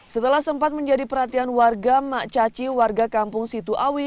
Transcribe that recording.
setelah sempat menjadi perhatian warga mak caci warga kampung situawi